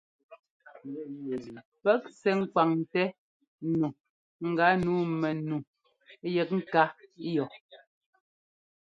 Pɛ́k sɛ́ ŋkwaŋtɛ nu gánǔu mɛnu yɛk ŋká yɔ.